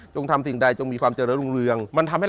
ทำสิ่งใดจงมีความเจริญรุ่งเรือง